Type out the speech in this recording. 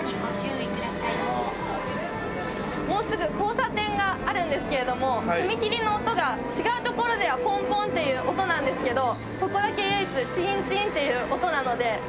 もうすぐ交差点があるんですけれども踏切の音が違う所ではポンポンという音なんですけどここだけ唯一チリンチリンっていう音なので。